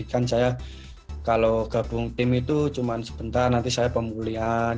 kan saya kalau gabung tim itu cuma sebentar nanti saya pemulihan